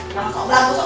kayak cakepan aja